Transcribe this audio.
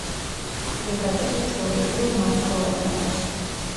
აგრეგატები ჩვეულებრივ მარცვლოვანი აქვს.